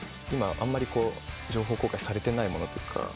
あんまり情報公開されてないものというか。